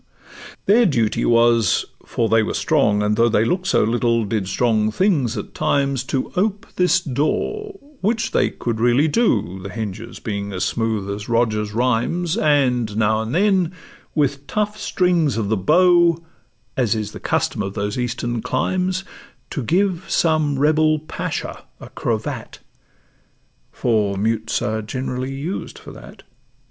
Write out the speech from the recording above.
Their duty was—for they were strong, and though They look'd so little, did strong things at times— To ope this door, which they could really do, The hinges being as smooth as Rogers' rhymes; And now and then, with tough strings of the bow, As is the custom of those Eastern climes, To give some rebel Pacha a cravat; For mutes are generally used for that.